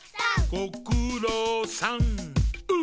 「ご・く・ろう・さん！」